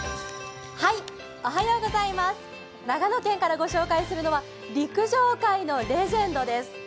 長野県からご紹介するのは陸上界のレジェンドです。